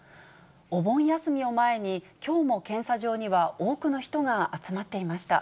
お盆休みを前に、きょうも検査場には多くの人が集まっていました。